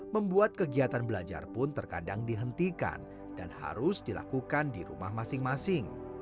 membuat kegiatan belajar pun terkadang dihentikan dan harus dilakukan di rumah masing masing